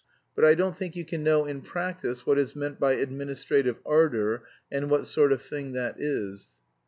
_ But I don't think you can know in practice what is meant by administrative ardour, and what sort of thing that is."